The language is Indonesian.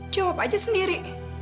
jawab aja sendiri